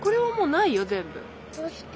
どうして？